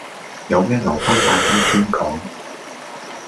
有咩留返拜山先講